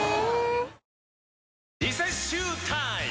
リセッシュータイム！